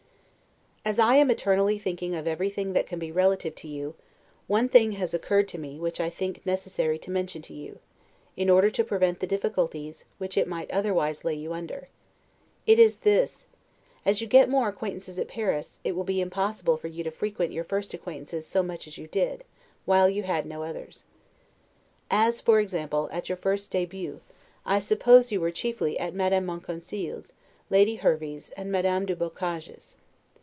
As I am eternally thinking of everything that can be relative to you, one thing has occurred to me, which I think necessary to mention to you, in order to prevent the difficulties which it might otherwise lay you under; it is this as you get more acquaintances at Paris, it will be impossible for you to frequent your first acquaintances so much as you did, while you had no others. As, for example, at your first 'debut', I suppose you were chiefly at Madame Monconseil's, Lady Hervey's, and Madame du Boccage's.